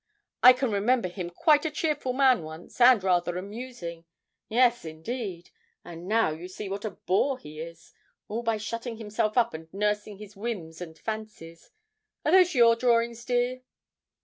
I can remember him quite a cheerful man once, and rather amusing yes, indeed and now you see what a bore he is all by shutting himself up and nursing his whims and fancies. Are those your drawings, dear?'